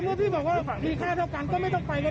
คุณก็บอกจะมาคุยดี